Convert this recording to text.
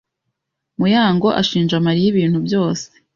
Muyango ashinja Mariya ibintu byose.